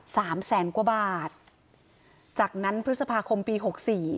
สามแสนกว่าบาทจากนั้นพฤษภาคมปีหกสี่